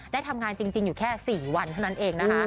ได้ทำงานจริงหรือแค่สี่วันเท่านั้นเอง